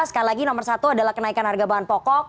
sekali lagi nomor satu adalah kenaikan harga bahan pokok